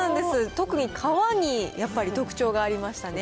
特に皮にやっぱり特徴がありましたね。